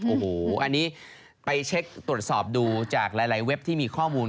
โอ้โหอันนี้ไปเช็คตรวจสอบดูจากหลายเว็บที่มีข้อมูล